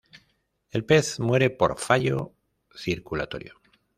El pez muere por fallo circulatorio.